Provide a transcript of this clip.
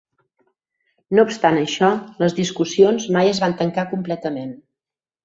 No obstant això, les discussions mai es van tancar completament.